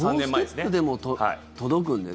ノーステップでも届くんだよ。